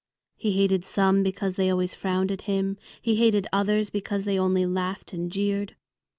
He hated some because they always frowned at him; he hated others because they only laughed and jeered.